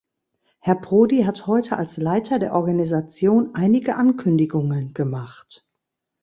Herr Prodi hat heute als Leiter der Organisation einige Ankündigungen gemacht.